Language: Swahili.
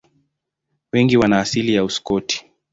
Wengi wana asili ya Uskoti.